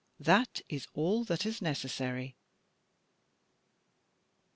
That is all that is necessary.